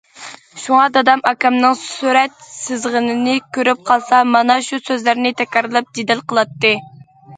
شۇڭا دادام ئاكامنىڭ سۈرەت سىزغىنىنى كۆرۈپ قالسا، مانا شۇ سۆزلەرنى تەكرارلاپ جېدەل قىلاتتى.